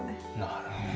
なるほど。